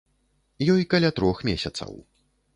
Ёй каля трох месяцаў.